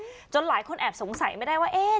จนหลายคนแอบสงสัยไม่ได้ว่าเอ๊ะ